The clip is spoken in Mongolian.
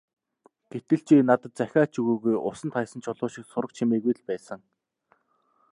Гэтэл чи надад захиа ч өгөөгүй, усанд хаясан чулуу шиг сураг чимээгүй л байсан.